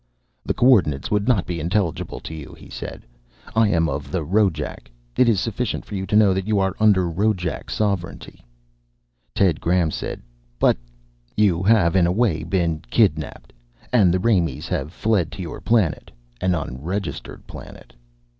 "The coordinates would not be intelligible to you," he said. "I am of the Rojac. It is sufficient for you to know that you are under Rojac sovereignty." Ted Graham said, "But " "You have, in a way, been kidnapped. And the Raimees have fled to your planet an unregistered planet."